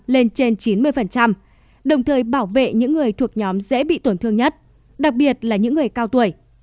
lên trên chín mươi đồng thời bảo vệ những người thuộc nhóm dễ bị tổn thương nhất đặc biệt là những người cao tuổi